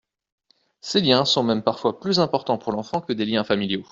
Ces liens sont même parfois plus importants pour l’enfant que des liens familiaux.